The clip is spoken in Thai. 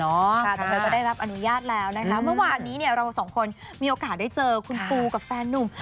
แต่เธอก็ได้รับอนุญาตแล้วนะคะเมื่อวานนี้เนี่ยเราสองคนมีโอกาสได้เจอคุณปูกับแฟนนุ่ม